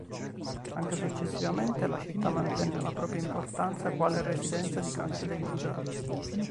Anche successivamente la città mantenne la propria importanza quale residenza di caccia degli zar.